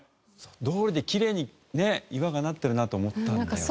どうりできれいにね岩がなってるなと思ったんだよ。